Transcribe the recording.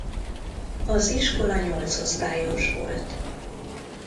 Az iskola nyolcosztályos volt.